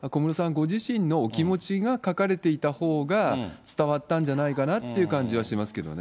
ご自身のお気持ちが書かれていたほうが、伝わったんじゃないかなっていう感じはしますけどね。